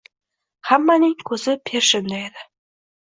Hammaning koʻzi Pershinda edi.